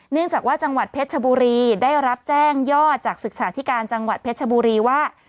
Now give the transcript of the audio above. เนื่องจากว่าจังหวัดเพชรชบุรีได้รับแจ้งยอดจากศึกษาธิการจังหวัดเพชรชบุรีว่า